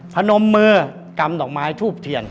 พนมมือกำดอกไม้ทูบเทียน